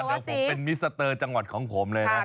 เดี๋ยวผมเป็นมิสเตอร์จังหวัดของผมเลยนะ